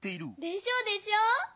でしょでしょ！